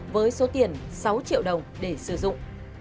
với số tiền sáu triệu đồng để sử dụng